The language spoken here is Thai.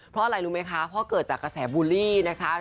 เพราะอะไรรู้ไหมคะเพราะเกิดจากกระแสบูลลี่นะคะ